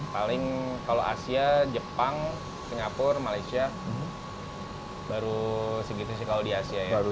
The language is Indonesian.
paling kalau asia jepang singapura malaysia baru segitu sih kalau di asia ya